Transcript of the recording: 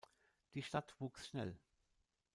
Die Stadt wuchs schnell.